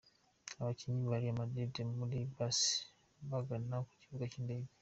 Abakinnyi ba Real Madrid muri Bus bagana ku kibuga cy'indege.